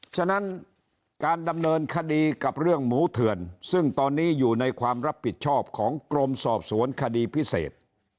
ฉะนั้นการดำเนินคดีกับเรื่องหมูเถื่อนซึ่งตอนนี้อยู่ในความรับผิดชอบของกรมสอบสวนคดีพิเศษ